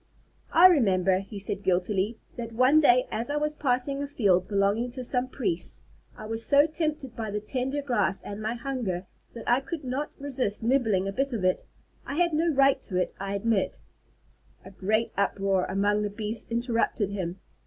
"I remember," he said guiltily, "that one day as I was passing a field belonging to some priests, I was so tempted by the tender grass and my hunger, that I could not resist nibbling a bit of it. I had no right to do it, I admit " A great uproar among the beasts interrupted him.